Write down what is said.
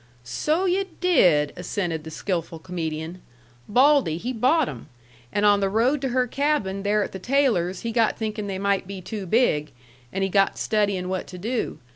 "So yu' did!" assented the skilful comedian. "Baldy he bought 'em. And on the road to her cabin there at the Taylors' he got thinkin' they might be too big, and he got studyin' what to do.